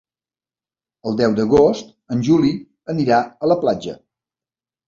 El deu d'agost en Juli anirà a la platja.